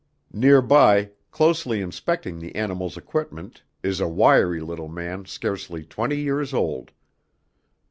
Nearby, closely inspecting the animal's equipment is a wiry little man scarcely twenty years old.